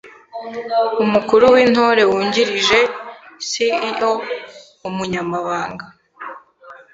Umukuru w’Intore wungirije: CEO/Umunyamabanga